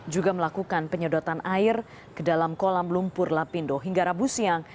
juga melakukan penyedotan air ke dalam kolam lumpur lapindo hingga rabu siang